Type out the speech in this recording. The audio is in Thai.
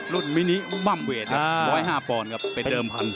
รุ่นมินิบ้ำเวท๑๐๕ปอนครับเป็นเดิมพันธุ์